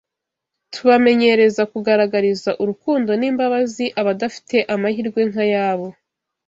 tubamenyereza kugaragariza urukundo n’imbabazi abadafite amahirwe nk’ayabo.